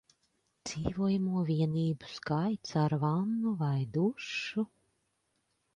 Dzīvojamo vienību skaits ar vannu vai dušu